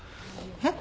えっ？